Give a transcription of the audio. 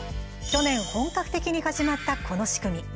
去年、本格的に始まったこの仕組み。